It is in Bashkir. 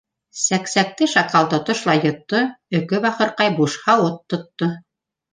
Сәксәкте шакал тотошлай йотто, Өкө бахырҡай буш һауыт тотто.